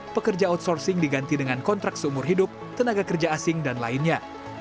pekerja outsourcing diganti dengan kontrak seumur hidup tenaga kerja asing dan lainnya